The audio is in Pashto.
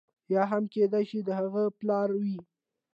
یا هم کېدای شي د هغه پلار وي.